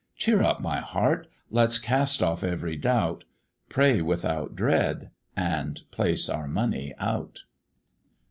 Cheer up, my heart! let's cast off every doubt, Pray without dread, and place our money out."